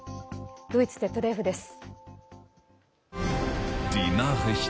ドイツＺＤＦです。